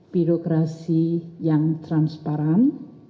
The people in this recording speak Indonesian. birokrasi yang transparan